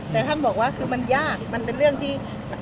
แต่ท่านบอกว่าคือมันยากมันเป็นเรื่องที่